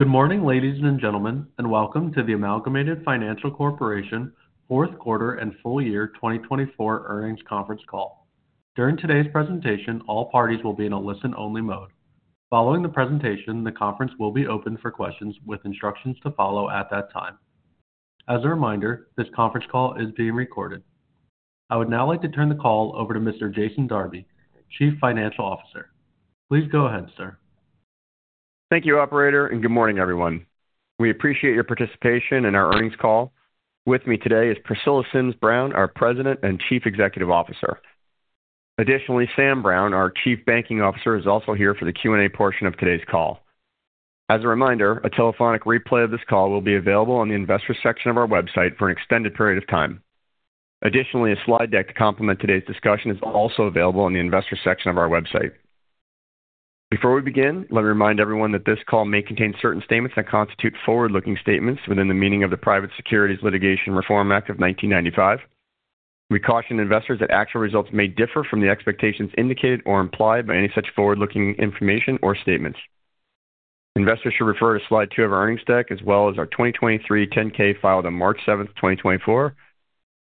Good morning, ladies and gentlemen, and welcome to the Amalgamated Financial Corporation Fourth Quarter and Full Year 2024 Earnings Conference Call. During today's presentation, all parties will be in a listen-only mode. Following the presentation, the conference will be open for questions with instructions to follow at that time. As a reminder, this conference call is being recorded. I would now like to turn the call over to Mr. Jason Darby, Chief Financial Officer. Please go ahead, sir. Thank you, Operator, and good morning, everyone. We appreciate your participation in our earnings call. With me today is Priscilla Sims Brown, our President and Chief Executive Officer. Additionally, Sam Brown, our Chief Banking Officer, is also here for the Q&A portion of today's call. As a reminder, a telephonic replay of this call will be available on the investor section of our website for an extended period of time. Additionally, a slide deck to complement today's discussion is also available on the investor section of our website. Before we begin, let me remind everyone that this call may contain certain statements that constitute forward-looking statements within the meaning of the Private Securities Litigation Reform Act of 1995. We caution investors that actual results may differ from the expectations indicated or implied by any such forward-looking information or statements. Investors should refer to Slide 2 of our earnings deck, as well as our 2023 10-K filed on March 7th, 2024,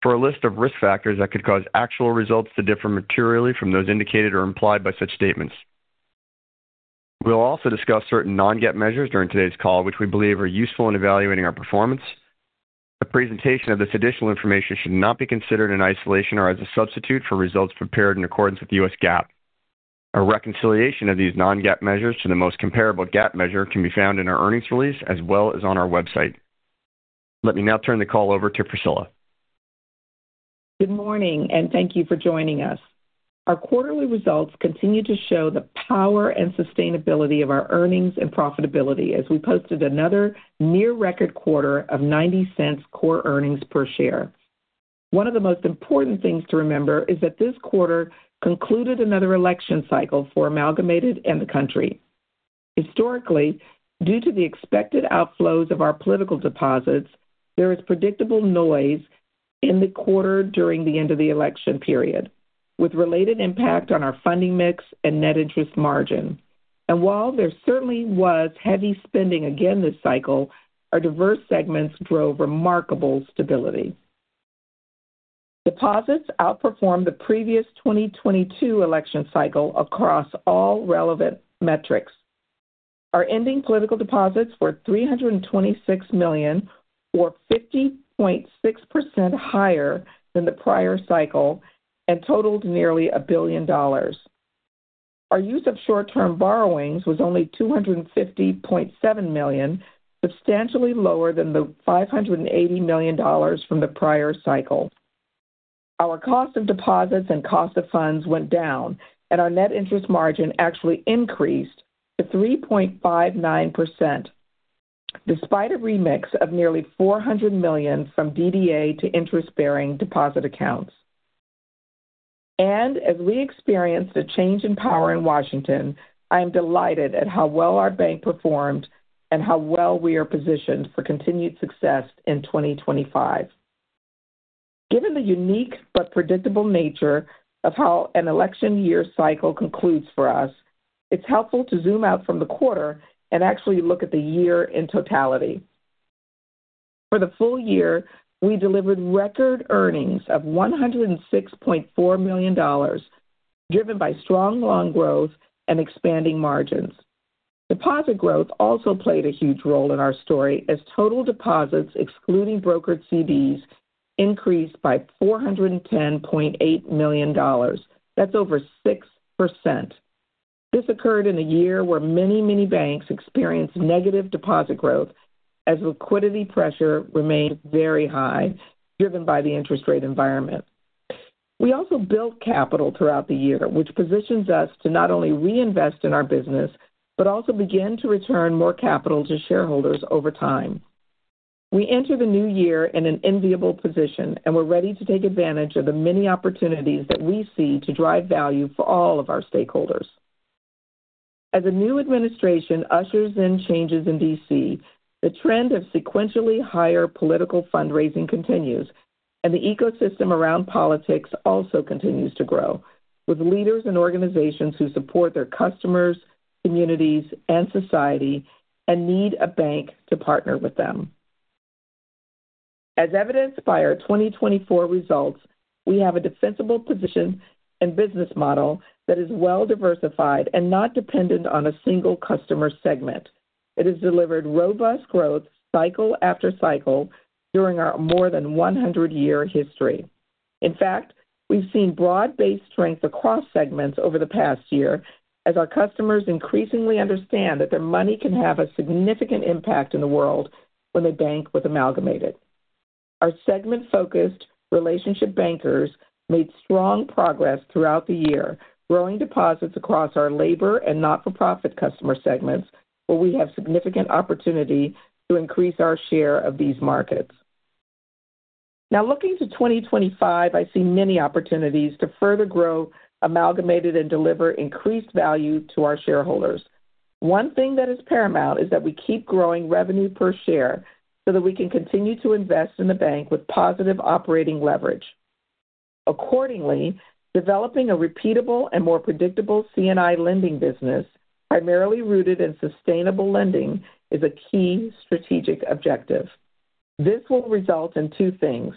for a list of risk factors that could cause actual results to differ materially from those indicated or implied by such statements. We'll also discuss certain non-GAAP measures during today's call, which we believe are useful in evaluating our performance. The presentation of this additional information should not be considered in isolation or as a substitute for results prepared in accordance with U.S. GAAP. A reconciliation of these non-GAAP measures to the most comparable GAAP measure can be found in our earnings release, as well as on our website. Let me now turn the call over to Priscilla. Good morning, and thank you for joining us. Our quarterly results continue to show the power and sustainability of our earnings and profitability as we posted another near-record quarter of $0.90 core earnings per share. One of the most important things to remember is that this quarter concluded another election cycle for Amalgamated and the country. Historically, due to the expected outflows of our political deposits, there is predictable noise in the quarter during the end of the election period, with related impact on our funding mix and net interest margin. And while there certainly was heavy spending again this cycle, our diverse segments drove remarkable stability. Deposits outperformed the previous 2022 election cycle across all relevant metrics. Our ending political deposits were $326 million, or 50.6% higher than the prior cycle, and totaled nearly $1 billion. Our use of short-term borrowings was only $250.7 million, substantially lower than the $580 million from the prior cycle. Our cost of deposits and cost of funds went down, and our net interest margin actually increased to 3.59%, despite a remix of nearly $400 million from DDA to interest-bearing deposit accounts. And as we experienced a change in power in Washington, I am delighted at how well our bank performed and how well we are positioned for continued success in 2025. Given the unique but predictable nature of how an election year cycle concludes for us, it's helpful to zoom out from the quarter and actually look at the year in totality. For the full year, we delivered record earnings of $106.4 million, driven by strong loan growth and expanding margins. Deposit growth also played a huge role in our story, as total deposits, excluding brokered CDs, increased by $410.8 million. That's over 6%. This occurred in a year where many, many banks experienced negative deposit growth, as liquidity pressure remained very high, driven by the interest rate environment. We also built capital throughout the year, which positions us to not only reinvest in our business, but also begin to return more capital to shareholders over time. We enter the new year in an enviable position, and we're ready to take advantage of the many opportunities that we see to drive value for all of our stakeholders. As a new administration ushers in changes in D.C., the trend of sequentially higher political fundraising continues, and the ecosystem around politics also continues to grow, with leaders and organizations who support their customers, communities, and society and need a bank to partner with them. As evidenced by our 2024 results, we have a defensible position and business model that is well-diversified and not dependent on a single customer segment. It has delivered robust growth cycle after cycle during our more than 100-year history. In fact, we've seen broad-based strength across segments over the past year, as our customers increasingly understand that their money can have a significant impact in the world when they bank with Amalgamated. Our segment-focused relationship bankers made strong progress throughout the year, growing deposits across our labor and not-for-profit customer segments, where we have significant opportunity to increase our share of these markets. Now, looking to 2025, I see many opportunities to further grow Amalgamated and deliver increased value to our shareholders. One thing that is paramount is that we keep growing revenue per share so that we can continue to invest in the bank with positive operating leverage. Accordingly, developing a repeatable and more predictable C&I lending business, primarily rooted in sustainable lending, is a key strategic objective. This will result in two things.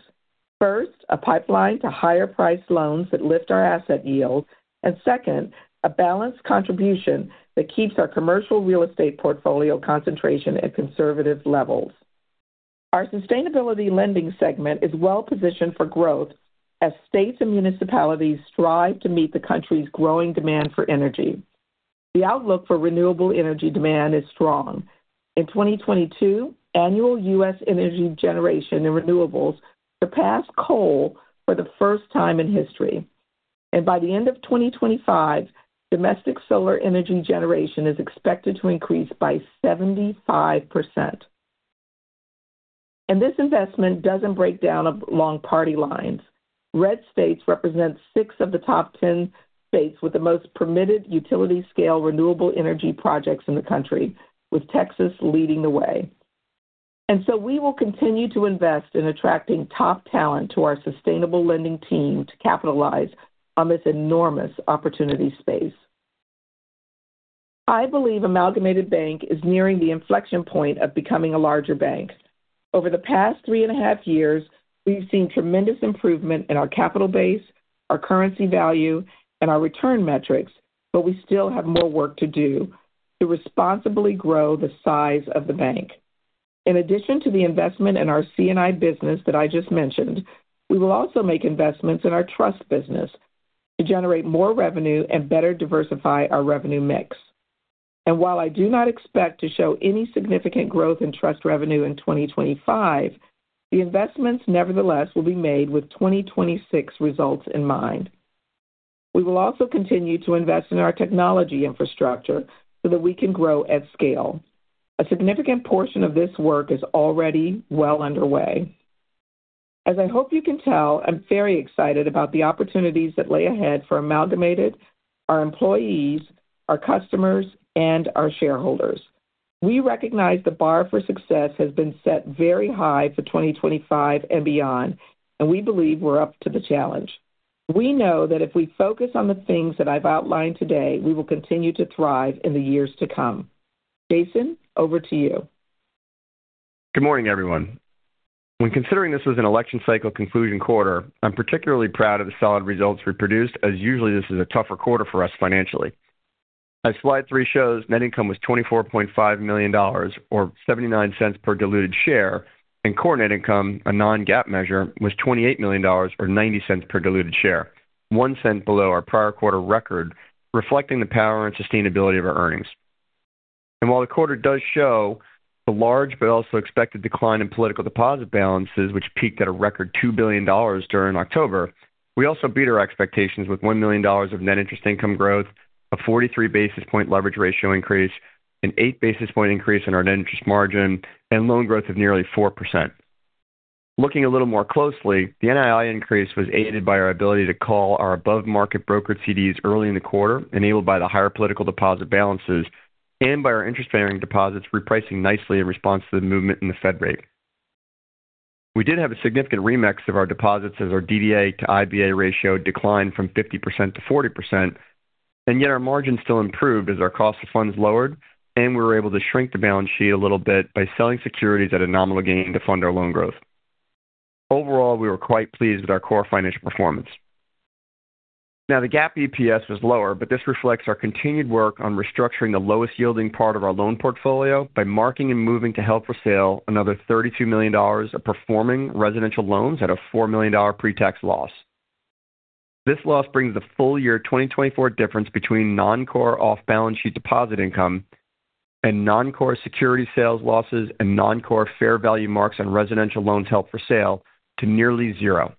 First, a pipeline to higher-priced loans that lift our asset yield, and second, a balanced contribution that keeps our commercial real estate portfolio concentration at conservative levels. Our sustainability lending segment is well-positioned for growth as states and municipalities strive to meet the country's growing demand for energy. The outlook for renewable energy demand is strong. In 2022, annual U.S. energy generation in renewables surpassed coal for the first time in history. By the end of 2025, domestic solar energy generation is expected to increase by 75%. This investment doesn't break down along party lines. Red states represent six of the top 10 states with the most permitted utility-scale renewable energy projects in the country, with Texas leading the way. We will continue to invest in attracting top talent to our sustainable lending team to capitalize on this enormous opportunity space. I believe Amalgamated Bank is nearing the inflection point of becoming a larger bank. Over the past three and a half years, we've seen tremendous improvement in our capital base, our currency value, and our return metrics, but we still have more work to do to responsibly grow the size of the bank. In addition to the investment in our C&I business that I just mentioned, we will also make investments in our trust business to generate more revenue and better diversify our revenue mix, and while I do not expect to show any significant growth in trust revenue in 2025, the investments nevertheless will be made with 2026 results in mind. We will also continue to invest in our technology infrastructure so that we can grow at scale. A significant portion of this work is already well underway. As I hope you can tell, I'm very excited about the opportunities that lay ahead for Amalgamated, our employees, our customers, and our shareholders. We recognize the bar for success has been set very high for 2025 and beyond, and we believe we're up to the challenge. We know that if we focus on the things that I've outlined today, we will continue to thrive in the years to come. Jason, over to you. Good morning, everyone. When considering this was an election cycle conclusion quarter, I'm particularly proud of the solid results we produced, as usually this is a tougher quarter for us financially. As Slide 3 shows, net income was $24.5 million, or $0.79 per diluted share, and core net income, a non-GAAP measure, was $28 million, or $0.90 per diluted share, $0.01 below our prior quarter record, reflecting the power and sustainability of our earnings, and while the quarter does show the large but also expected decline in political deposit balances, which peaked at a record $2 billion during October, we also beat our expectations with $1 million of net interest income growth, a 43 bp leverage ratio increase, an 8 bp increase in our net interest margin, and loan growth of nearly 4%. Looking a little more closely, the NII increase was aided by our ability to call our above-market brokered CDs early in the quarter, enabled by the higher political deposit balances, and by our interest-bearing deposits repricing nicely in response to the movement in the Fed rate. We did have a significant remix of our deposits as our DDA to IBA ratio declined from 50% to 40%, and yet our margins still improved as our cost of funds lowered, and we were able to shrink the balance sheet a little bit by selling securities at a nominal gain to fund our loan growth. Overall, we were quite pleased with our core financial performance. Now, the GAAP EPS was lower, but this reflects our continued work on restructuring the lowest-yielding part of our loan portfolio by marking and moving to held for sale another $32 million of performing residential loans at a $4 million pre-tax loss. This loss brings the full year 2024 difference between non-core off-balance sheet deposit income and non-core security sales losses and non-core fair value marks on residential loans held for sale to nearly zero.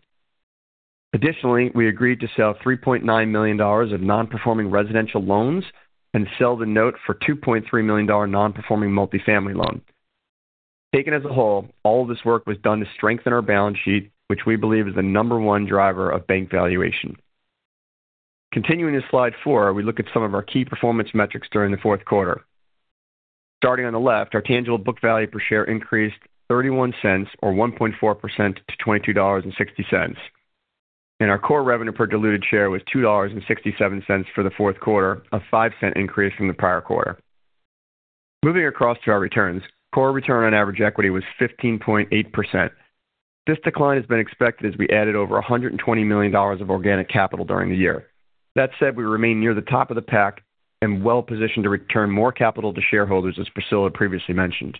Additionally, we agreed to sell $3.9 million of non-performing residential loans and sell the note for $2.3 million non-performing multifamily loan. Taken as a whole, all of this work was done to strengthen our balance sheet, which we believe is the number one driver of bank valuation. Continuing to Slide 4, we look at some of our key performance metrics during the fourth quarter. Starting on the left, our tangible book value per share increased $0.31, or 1.4%, to $22.60. Our core revenue per diluted share was $2.67 for the fourth quarter, a $0.05 increase from the prior quarter. Moving across to our returns, core return on average equity was 15.8%. This decline has been expected as we added over $120 million of organic capital during the year. That said, we remain near the top of the pack and well-positioned to return more capital to shareholders, as Priscilla previously mentioned.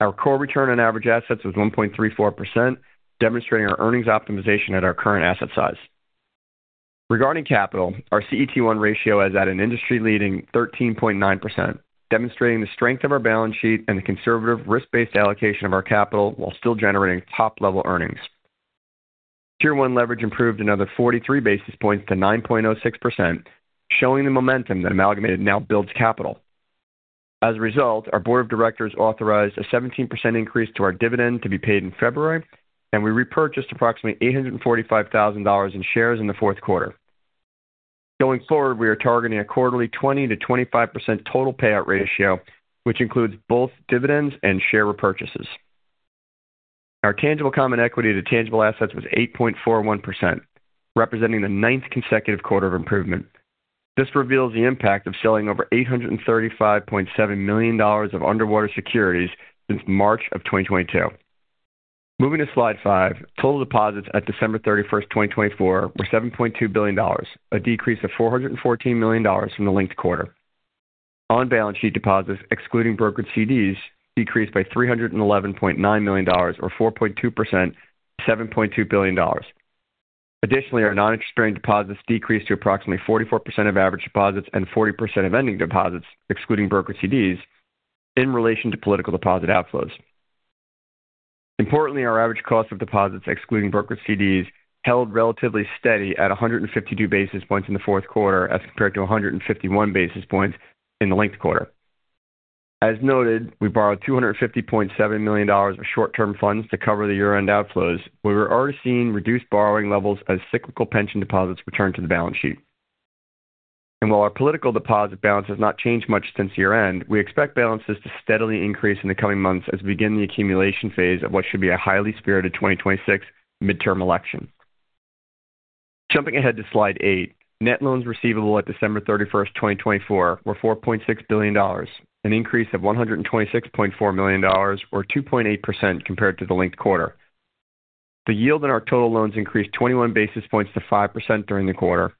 Our core return on average assets was 1.34%, demonstrating our earnings optimization at our current asset size. Regarding capital, our CET1 ratio has added an industry-leading 13.9%, demonstrating the strength of our balance sheet and the conservative risk-based allocation of our capital while still generating top-level earnings. Tier 1 leverage improved another 43 bps to 9.06%, showing the momentum that Amalgamated now builds capital. As a result, our board of directors authorized a 17% increase to our dividend to be paid in February, and we repurchased approximately $845,000 in shares in the fourth quarter. Going forward, we are targeting a quarterly 20% to 25% total payout ratio, which includes both dividends and share repurchases. Our tangible common equity to tangible assets was 8.41%, representing the ninth consecutive quarter of improvement. This reveals the impact of selling over $835.7 million of underwater securities since March of 2022. Moving to Slide 5, total deposits at December 31st, 2024, were $7.2 billion, a decrease of $414 million from the linked quarter. On-balance sheet deposits, excluding brokered CDs, decreased by $311.9 million, or 4.2%, to $7.2 billion. Additionally, our non-interest-bearing deposits decreased to approximately 44% of average deposits and 40% of ending deposits, excluding brokered CDs, in relation to political deposit outflows. Importantly, our average cost of deposits, excluding brokered CDs, held relatively steady at 152 bps in the fourth quarter as compared to 151 bps in the linked quarter. As noted, we borrowed $250.7 million of short-term funds to cover the year-end outflows, where we were already seeing reduced borrowing levels as cyclical pension deposits returned to the balance sheet. And while our political deposit balance has not changed much since year-end, we expect balances to steadily increase in the coming months as we begin the accumulation phase of what should be a highly spirited 2026 midterm election. Jumping ahead to Slide 8, net loans receivable at December 31st, 2024, were $4.6 billion, an increase of $126.4 million, or 2.8%, compared to the linked quarter. The yield on our total loans increased 21 bps to 5% during the quarter.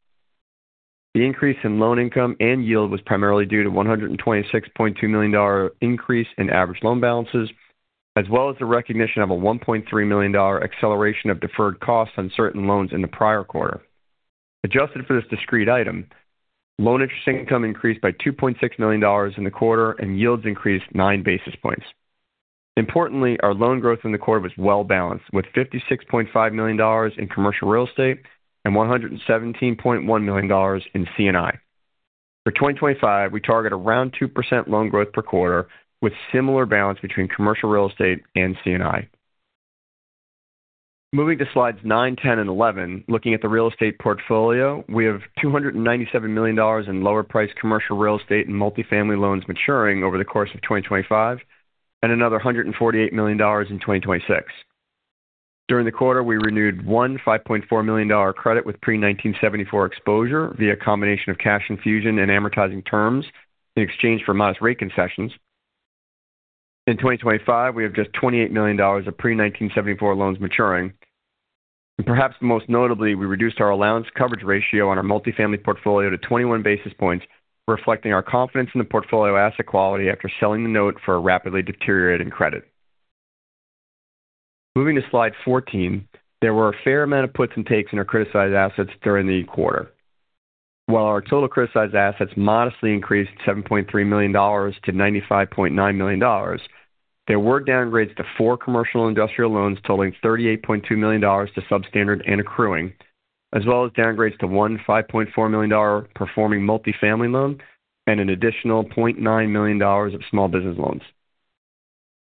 The increase in loan income and yield was primarily due to $126.2 million increase in average loan balances, as well as the recognition of a $1.3 million acceleration of deferred costs on certain loans in the prior quarter. Adjusted for this discrete item, loan interest income increased by $2.6 million in the quarter, and yields increased 9 bps. Importantly, our loan growth in the quarter was well-balanced, with $56.5 million in commercial real estate and $117.1 million in C&I. For 2025, we target around 2% loan growth per quarter with similar balance between commercial real estate and C&I. Moving to Slides 9, 10, and 11, looking at the real estate portfolio, we have $297 million in lower-priced commercial real estate and multifamily loans maturing over the course of 2025, and another $148 million in 2026. During the quarter, we renewed one $5.4 million credit with pre-1974 exposure via a combination of cash infusion and amortizing terms in exchange for modest rate concessions. In 2025, we have just $28 million of pre-1974 loans maturing, and perhaps most notably, we reduced our allowance coverage ratio on our multifamily portfolio to 21 bps, reflecting our confidence in the portfolio asset quality after selling the note for a rapidly deteriorating credit. Moving to Slide 14, there were a fair amount of puts and takes in our criticized assets during the quarter. While our total criticized assets modestly increased $7.3 million to $95.9 million, there were downgrades to four commercial and industrial loans totaling $38.2 million to substandard and accruing, as well as downgrades to one $5.4 million performing multifamily loan and an additional $0.9 million of small business loans.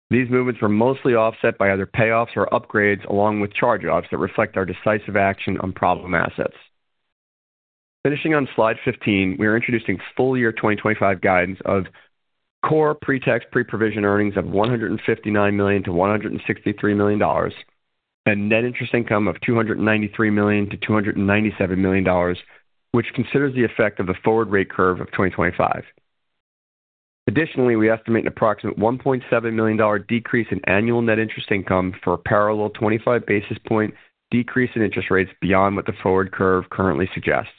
These movements were mostly offset by either payoffs or upgrades, along with charge-offs that reflect our decisive action on problem assets. Finishing on Slide 15, we are introducing full year 2025 guidance of core pre-tax pre-provision earnings of $159 million to $163 million, and net interest income of $293 million to $297 million, which considers the effect of the forward rate curve of 2025. Additionally, we estimate an approximate $1.7 million decrease in annual net interest income for a parallel 25 bp decrease in interest rates beyond what the forward curve currently suggests.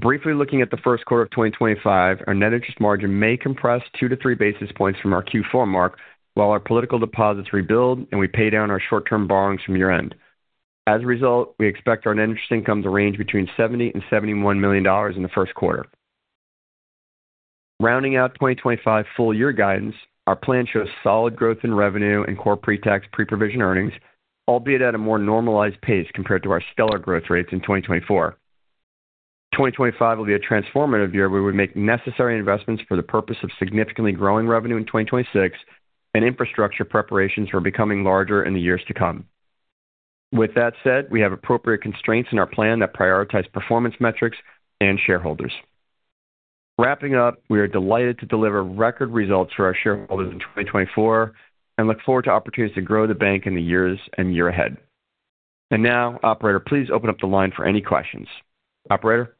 Briefly looking at the first quarter of 2025, our net interest margin may compress two to three bps from our Q4 mark while our political deposits rebuild and we pay down our short-term borrowings from year-end. As a result, we expect our net interest income to range between $70 and $71 million in the first quarter. Rounding out 2025 full year guidance, our plan shows solid growth in revenue and core pre-tax pre-provision earnings, albeit at a more normalized pace compared to our stellar growth rates in 2024. 2025 will be a transformative year where we make necessary investments for the purpose of significantly growing revenue in 2026, and infrastructure preparations for becoming larger in the years to come. With that said, we have appropriate constraints in our plan that prioritize performance metrics and shareholders. Wrapping up, we are delighted to deliver record results for our shareholders in 2024 and look forward to opportunities to grow the bank in the years ahead, and now, operator, please open up the line for any questions. Operator?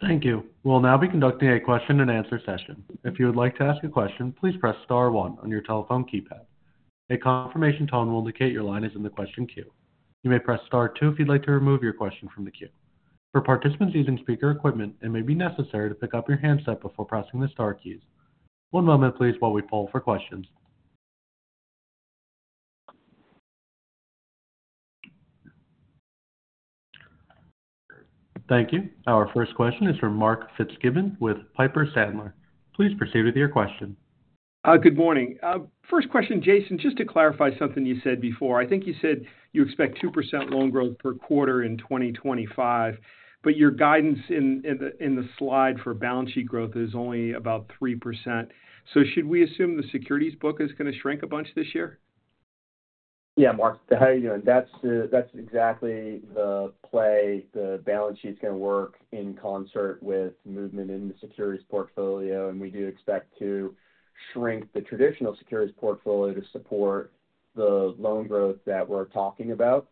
Thank you. We'll now be conducting a question-and-answer session. If you would like to ask a question, please press star one on your telephone keypad. A confirmation tone will indicate your line is in the question queue. You may press star two if you'd like to remove your question from the queue. For participants using speaker equipment, it may be necessary to pick up your handset before pressing the star keys. One moment, please, while we poll for questions. Thank you. Our first question is from Mark Fitzgibbon with Piper Sandler. Please proceed with your question. Good morning. First question, Jason, just to clarify something you said before. I think you said you expect 2% loan growth per quarter in 2025, but your guidance in the slide for balance sheet growth is only about 3%. So should we assume the securities book is going to shrink a bunch this year? Yeah, Mark, how are you doing? That's exactly the play the balance sheet's going to work in concert with movement in the securities portfolio, and we do expect to shrink the traditional securities portfolio to support the loan growth that we're talking about.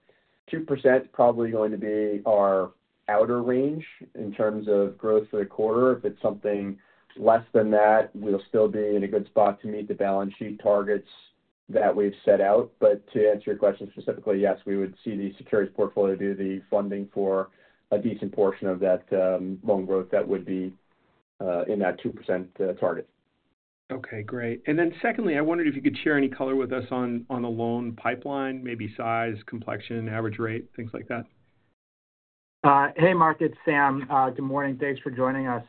2% is probably going to be our outer range in terms of growth for the quarter. If it's something less than that, we'll still be in a good spot to meet the balance sheet targets that we've set out. But to answer your question specifically, yes, we would see the securities portfolio do the funding for a decent portion of that loan growth that would be in that 2% target. Okay, great. And then secondly, I wondered if you could share any color with us on the loan pipeline, maybe size, complexion, average rate, things like that. Hey, Mark, it's Sam. Good morning. Thanks for joining us.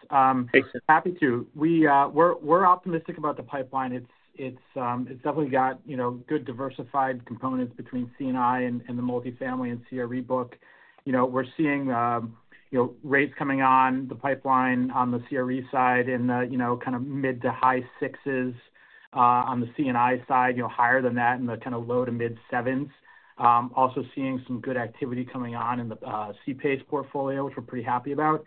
Hey, Sam. We're optimistic about the pipeline. It's definitely got good diversified components between C&I and the multifamily and CRE book. We're seeing rates coming on the pipeline on the CRE side in the kind of mid to high sixes. On the C&I side, higher than that in the kind of low to mid sevens. Also seeing some good activity coming on in the C-PACE portfolio, which we're pretty happy about.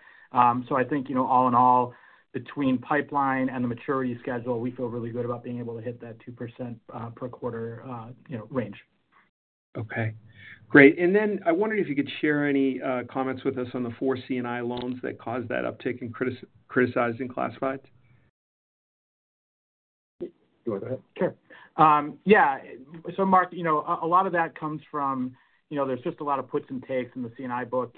So I think all in all, between pipeline and the maturity schedule, we feel really good about being able to hit that 2% per quarter range. Okay, great. And then I wondered if you could share any comments with us on the four C&I loans that caused that uptick in criticized and classified? Sure. Yeah. So Mark, a lot of that comes from there's just a lot of puts and takes in the C&I book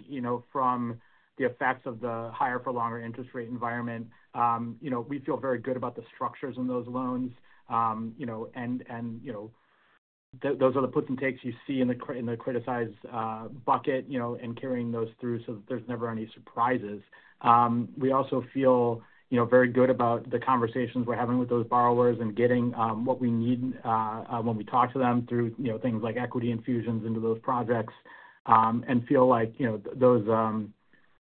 from the effects of the higher-for-longer interest rate environment. We feel very good about the structures in those loans, and those are the puts and takes you see in the criticized bucket and carrying those through so that there's never any surprises. We also feel very good about the conversations we're having with those borrowers and getting what we need when we talk to them through things like equity infusions into those projects and feel like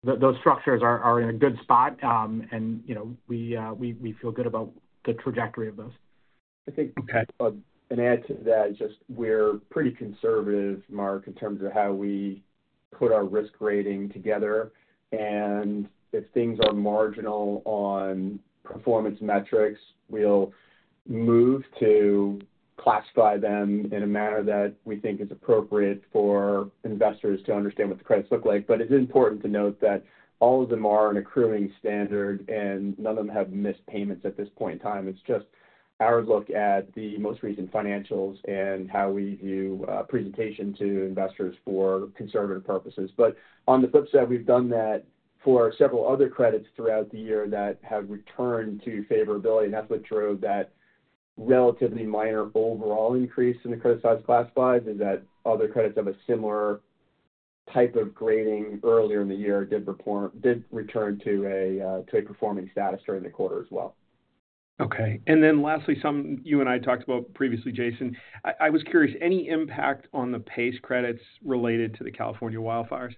those structures are in a good spot, and we feel good about the trajectory of those. I think an add to that is just we're pretty conservative, Mark, in terms of how we put our risk rating together. And if things are marginal on performance metrics, we'll move to classify them in a manner that we think is appropriate for investors to understand what the credits look like. But it's important to note that all of them are an accruing standard, and none of them have missed payments at this point in time. It's just our look at the most recent financials and how we view presentation to investors for conservative purposes. But on the flip side, we've done that for several other credits throughout the year that have returned to favorability. And that's what drove that relatively minor overall increase in the criticized classifieds, is that other credits have a similar type of grading earlier in the year did return to a performing status during the quarter as well. Okay. And then lastly, something you and I talked about previously, Jason, I was curious, any impact on the PACE credits related to the California wildfires?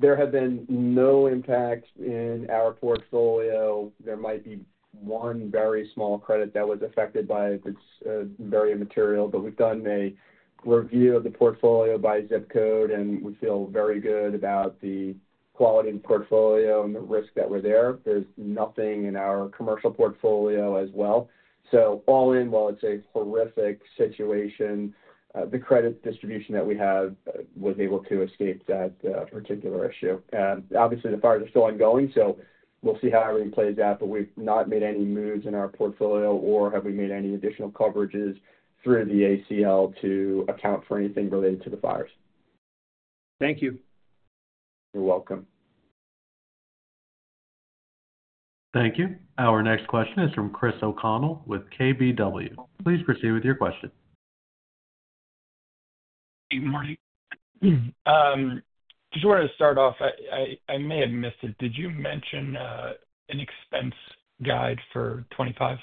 There have been no impacts in our portfolio. There might be one very small credit that was affected by it. It's very immaterial, but we've done a review of the portfolio by zip code, and we feel very good about the quality of the portfolio and the risk that were there. There's nothing in our commercial portfolio as well. So all in, while it's a horrific situation, the credit distribution that we have was able to escape that particular issue. Obviously, the fires are still ongoing, so we'll see how everything plays out, but we've not made any moves in our portfolio or have we made any additional coverages through the ACL to account for anything related to the fires. Thank you. You're welcome. Thank you. Our next question is from Chris O'Connell with KBW. Please proceed with your question. Good morning. Just wanted to start off. I may have missed it. Did you mention an expense guide for 2025?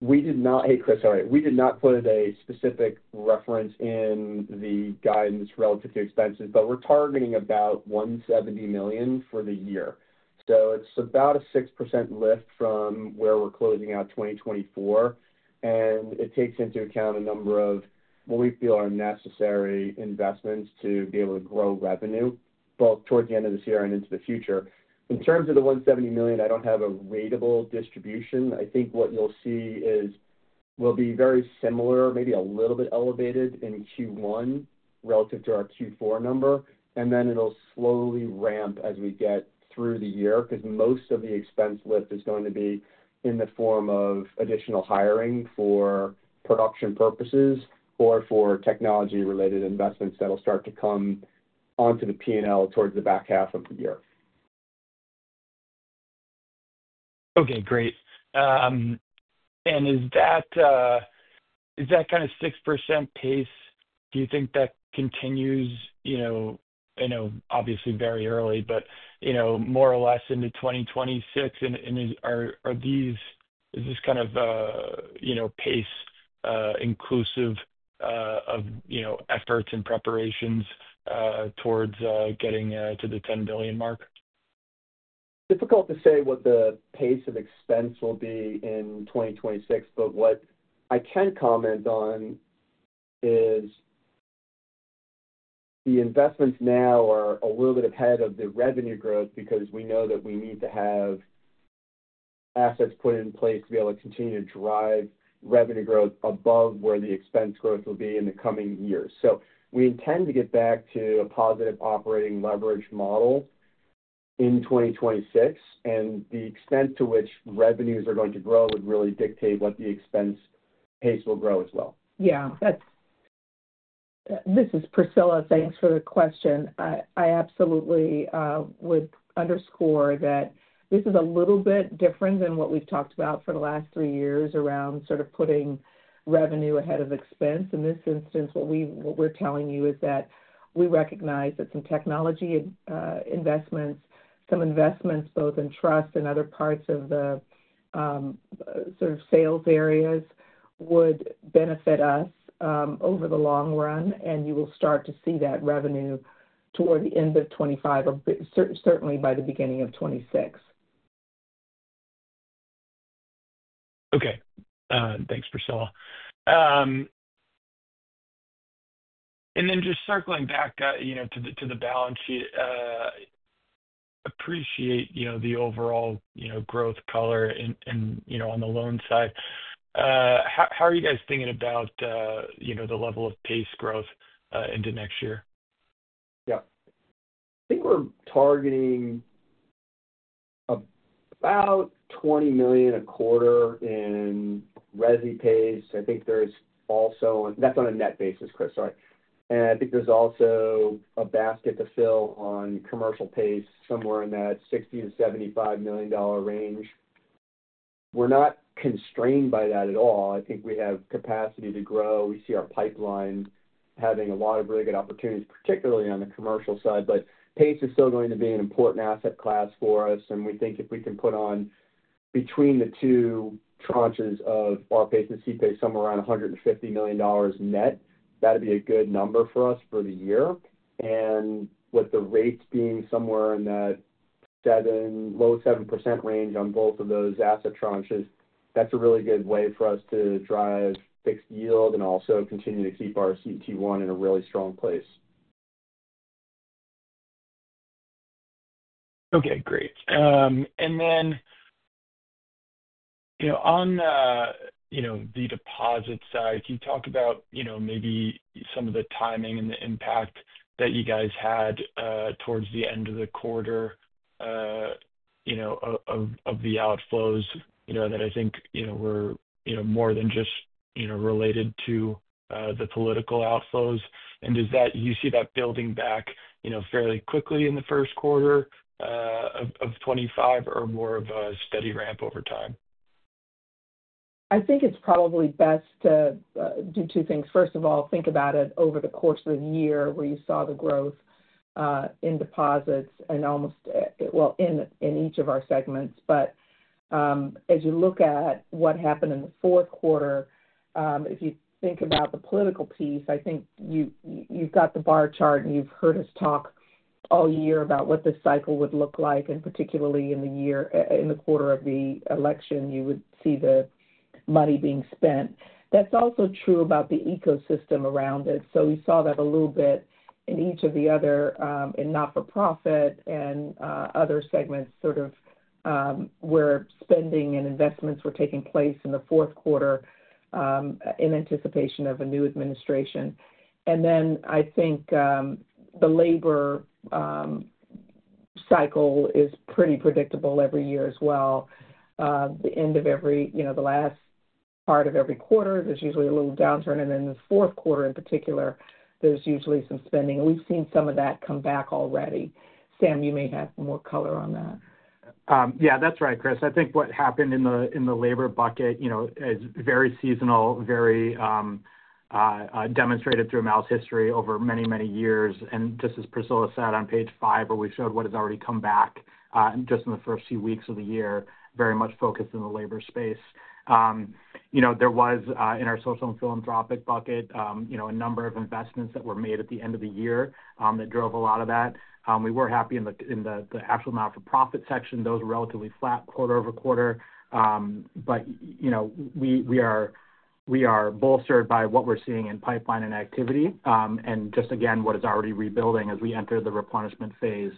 We did not. Hey, Chris, sorry. We did not put a specific reference in the guidance relative to expenses, but we're targeting about $170 million for the year. So it's about a 6% lift from where we're closing out 2024, and it takes into account a number of what we feel are necessary investments to be able to grow revenue both towards the end of this year and into the future. In terms of the $170 million, I don't have a ratable distribution. I think what you'll see is we'll be very similar, maybe a little bit elevated in Q1 relative to our Q4 number, and then it'll slowly ramp as we get through the year because most of the expense lift is going to be in the form of additional hiring for production purposes or for technology-related investments that will start to come onto the P&L towards the back half of the year. Okay, great. And is that kind of 6% pace, do you think that continues? I know obviously very early, but more or less into 2026, and is this kind of pace inclusive of efforts and preparations towards getting to the $10 billion mark? Difficult to say what the pace of expense will be in 2026, but what I can comment on is the investments now are a little bit ahead of the revenue growth because we know that we need to have assets put in place to be able to continue to drive revenue growth above where the expense growth will be in the coming years. So we intend to get back to a positive operating leverage model in 2026, and the extent to which revenues are going to grow would really dictate what the expense pace will grow as well. Yeah. This is Priscilla. Thanks for the question. I absolutely would underscore that this is a little bit different than what we've talked about for the last three years around sort of putting revenue ahead of expense. In this instance, what we're telling you is that we recognize that some technology investments, some investments both in trust and other parts of the sort of sales areas would benefit us over the long run, and you will start to see that revenue toward the end of 2025 or certainly by the beginning of 2026. Okay. Thanks, Priscilla. And then just circling back to the balance sheet, appreciate the overall growth color on the loan side. How are you guys thinking about the level of pace growth into next year? Yeah. I think we're targeting about $20 million a quarter in residential PACE. I think that's also on a net basis, Chris, sorry. And I think there's also a basket to fill on commercial PACE somewhere in that $60-$75 million range. We're not constrained by that at all. I think we have capacity to grow. We see our pipeline having a lot of really good opportunities, particularly on the commercial side, but PACE is still going to be an important asset class for us. And we think if we can put on between the two tranches of our PACE and C-PACE somewhere around $150 million net, that'd be a good number for us for the year. With the rates being somewhere in that low 7% range on both of those asset tranches, that's a really good way for us to drive fixed yield and also continue to keep our CET1 in a really strong place. Okay, great. And then on the deposit side, can you talk about maybe some of the timing and the impact that you guys had towards the end of the quarter of the outflows that I think were more than just related to the political outflows? And do you see that building back fairly quickly in the first quarter of 2025 or more of a steady ramp over time? I think it's probably best to do two things. First of all, think about it over the course of the year where you saw the growth in deposits and almost, well, in each of our segments. But as you look at what happened in the fourth quarter, if you think about the political piece, I think you've got the bar chart, and you've heard us talk all year about what the cycle would look like, and particularly in the quarter of the election, you would see the money being spent. That's also true about the ecosystem around it. So we saw that a little bit in each of the other and not-for-profit and other segments sort of where spending and investments were taking place in the fourth quarter in anticipation of a new administration. And then I think the labor cycle is pretty predictable every year as well. The end of the last part of every quarter, there's usually a little downturn, and then the fourth quarter in particular, there's usually some spending, and we've seen some of that come back already. Sam, you may have more color on that. Yeah, that's right, Chris. I think what happened in the labor bucket is very seasonal, very demonstrated through our history over many, many years. And just as Priscilla said on page five, where we showed what has already come back just in the first few weeks of the year, very much focused in the labor space. There was, in our social and philanthropic bucket, a number of investments that were made at the end of the year that drove a lot of that. We were happy in the actual not-for-profit section. Those were relatively flat quarter over quarter. But we are bolstered by what we're seeing in pipeline and activity and just, again, what is already rebuilding as we enter the replenishment phase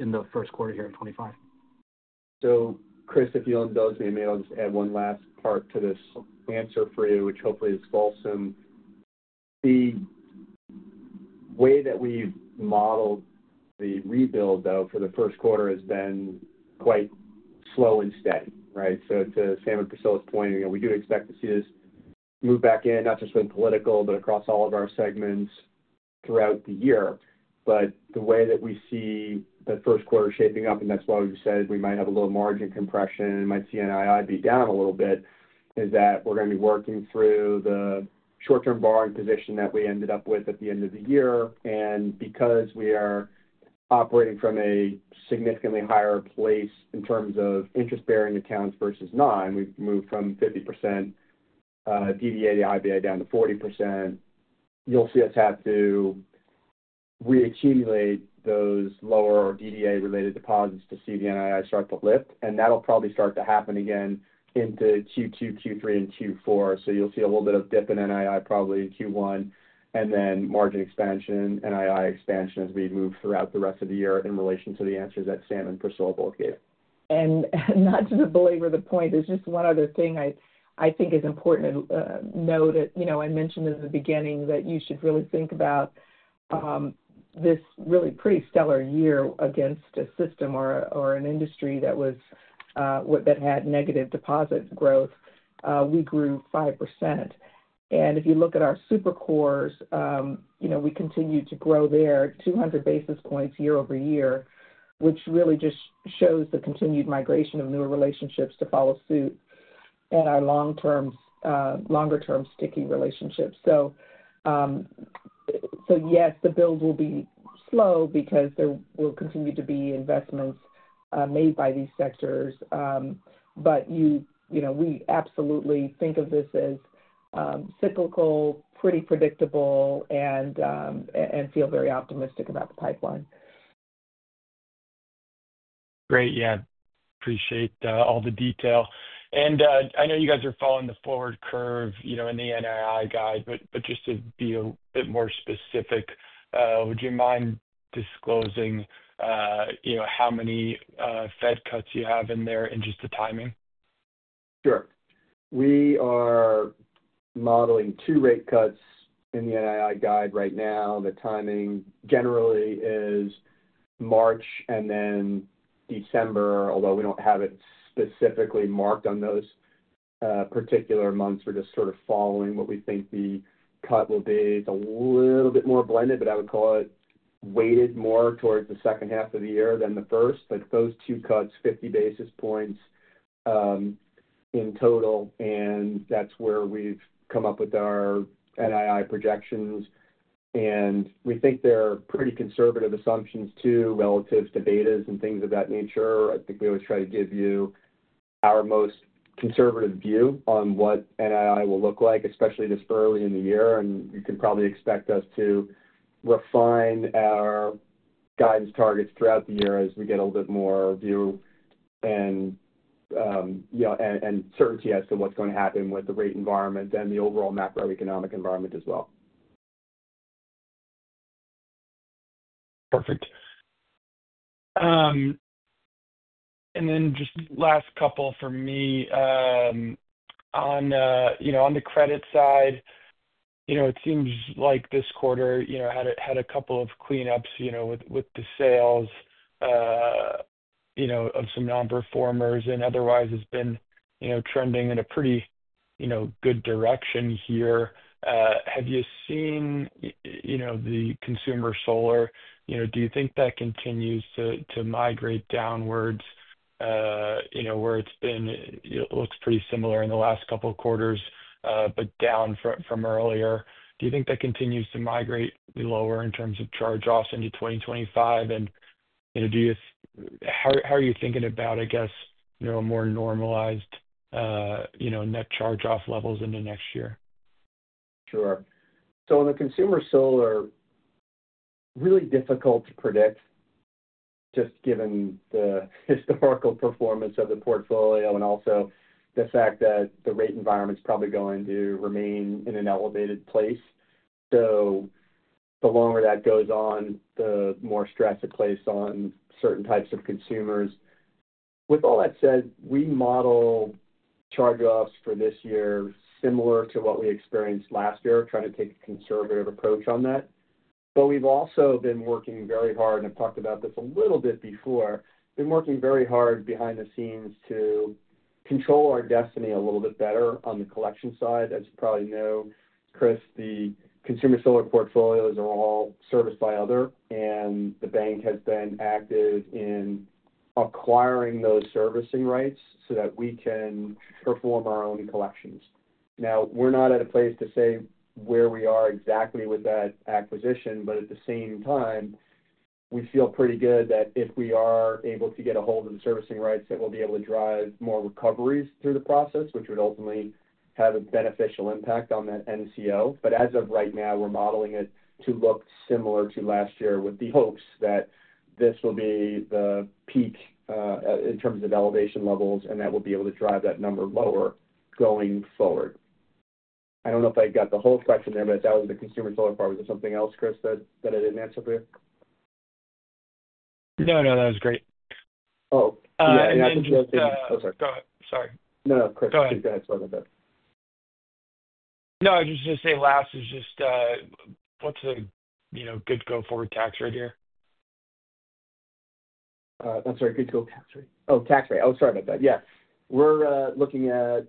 in the first quarter here of 2025. So Chris, if you'll indulge me, maybe I'll just add one last part to this answer for you, which hopefully is fulsome. The way that we've modeled the rebuild, though, for the first quarter has been quite slow and steady, right? So to Sam and Priscilla's point, we do expect to see this move back in, not just with political, but across all of our segments throughout the year. But the way that we see the first quarter shaping up, and that's why we said we might have a little margin compression, might see NII be down a little bit, is that we're going to be working through the short-term borrowing position that we ended up with at the end of the year. And because we are operating from a significantly higher place in terms of interest-bearing accounts versus non, we've moved from 50% DDA to IBA down to 40%. You'll see us have to reaccumulate those lower DDA-related deposits to see the NII start to lift, and that'll probably start to happen again into Q2, Q3, and Q4, so you'll see a little bit of dip in NII probably in Q1, and then margin expansion, NII expansion as we move throughout the rest of the year in relation to the answers that Sam and Priscilla both gave. Not to belabor the point, there's just one other thing I think is important to note that I mentioned in the beginning that you should really think about this really pretty stellar year against a system or an industry that had negative deposit growth. We grew 5%. If you look at our super cores, we continue to grow there 200 bps year over year, which really just shows the continued migration of newer relationships to follow suit and our longer-term sticky relationships. Yes, the build will be slow because there will continue to be investments made by these sectors. We absolutely think of this as cyclical, pretty predictable, and feel very optimistic about the pipeline. Great. Yeah. Appreciate all the detail. And I know you guys are following the forward curve in the NII guide, but just to be a bit more specific, would you mind disclosing how many Fed cuts you have in there and just the timing? Sure. We are modeling two rate cuts in the NII guide right now. The timing generally is March and then December, although we don't have it specifically marked on those particular months. We're just sort of following what we think the cut will be. It's a little bit more blended, but I would call it weighted more towards the second half of the year than the first. But those two cuts, 50 bps in total, and that's where we've come up with our NII projections. And we think they're pretty conservative assumptions too relative to betas and things of that nature. I think we always try to give you our most conservative view on what NII will look like, especially this early in the year. You can probably expect us to refine our guidance targets throughout the year as we get a little bit more view and certainty as to what's going to happen with the rate environment and the overall macroeconomic environment as well. Perfect. And then just last couple for me. On the credit side, it seems like this quarter had a couple of cleanups with the sales of some nonperformers, and otherwise has been trending in a pretty good direction here. Have you seen the consumer solar? Do you think that continues to migrate downwards where it looks pretty similar in the last couple of quarters, but down from earlier? Do you think that continues to migrate lower in terms of charge-offs into 2025? And how are you thinking about, I guess, a more normalized net charge-off levels into next year? Sure. So on the consumer solar, really difficult to predict just given the historical performance of the portfolio and also the fact that the rate environment's probably going to remain in an elevated place. So the longer that goes on, the more stress it places on certain types of consumers. With all that said, we model charge-offs for this year similar to what we experienced last year, trying to take a conservative approach on that. But we've also been working very hard, and I've talked about this a little bit before, been working very hard behind the scenes to control our destiny a little bit better on the collection side. As you probably know, Chris, the consumer solar portfolios are all serviced by others, and the bank has been active in acquiring those servicing rights so that we can perform our own collections. Now, we're not at a place to say where we are exactly with that acquisition, but at the same time, we feel pretty good that if we are able to get a hold of the servicing rights, that we'll be able to drive more recoveries through the process, which would ultimately have a beneficial impact on that NCO. But as of right now, we're modeling it to look similar to last year with the hopes that this will be the peak in terms of elevation levels, and that we'll be able to drive that number lower going forward. I don't know if I got the whole question there, but that was the consumer solar part. Was there something else, Chris, that I didn't answer for you? No, no. That was great. Oh. Yeah. I think. Oh, sorry. Go ahead. Sorry. No, no. Chris, please go ahead. Sorry about that. No, I was just going to say, last is just what's the good go-forward tax rate here? I'm sorry. Oh, tax rate. Oh, sorry about that. Yeah. We're looking at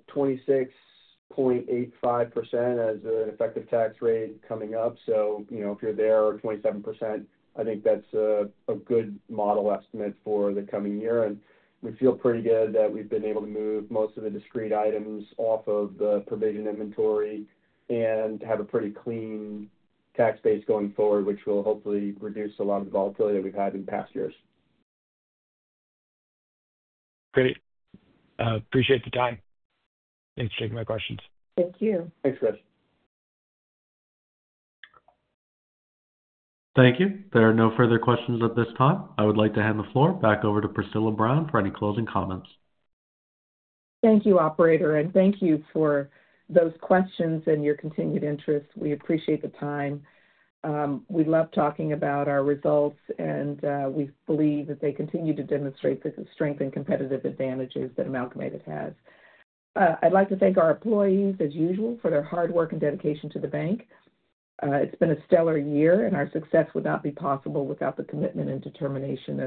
26.85% as an effective tax rate coming up. So if you're there, 27%, I think that's a good model estimate for the coming year. And we feel pretty good that we've been able to move most of the discrete items off of the provision inventory and have a pretty clean tax base going forward, which will hopefully reduce a lot of the volatility that we've had in past years. Great. Appreciate the time. Thanks for taking my questions. Thank you. Thanks, Chris. Thank you. There are no further questions at this time. I would like to hand the floor back over to Priscilla Brown for any closing comments. Thank you, operator. And thank you for those questions and your continued interest. We appreciate the time. We love talking about our results, and we believe that they continue to demonstrate the strength and competitive advantages that Amalgamated has. I'd like to thank our employees, as usual, for their hard work and dedication to the bank. It's been a stellar year, and our success would not be possible without the commitment and determination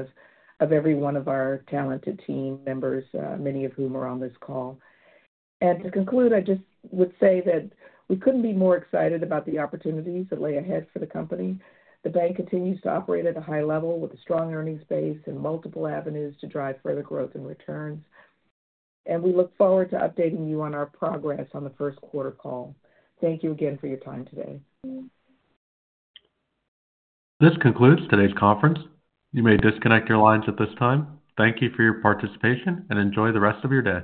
of every one of our talented team members, many of whom are on this call. And to conclude, I just would say that we couldn't be more excited about the opportunities that lay ahead for the company. The bank continues to operate at a high level with a strong earnings base and multiple avenues to drive further growth and returns. And we look forward to updating you on our progress on the first quarter call. Thank you again for your time today. This concludes today's conference. You may disconnect your lines at this time. Thank you for your participation, and enjoy the rest of your day.